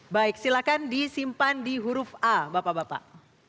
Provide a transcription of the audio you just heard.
baik silakan disimpan di huruf a bapak bapak